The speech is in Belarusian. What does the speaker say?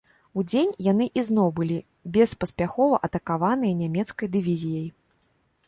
Удзень яны ізноў былі беспаспяхова атакаваныя нямецкай дывізіяй.